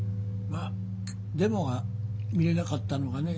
まあデモが見れなかったのがね